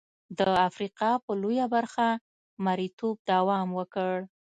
د افریقا په لویه برخه مریتوب دوام وکړ.